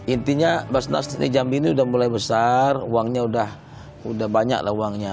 intinya mbak nas ini jambi ini udah mulai besar uangnya udah banyak lah uangnya